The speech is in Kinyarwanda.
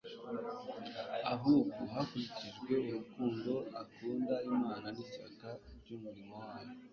ahubwo hakurikijwe urukundo akunda Imana n'ishyaka ry'umurimo wayo.